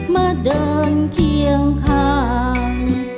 มาเดินเคียงข้าง